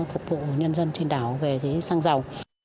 phục vụ nhân dân trên đảo về xăng dầu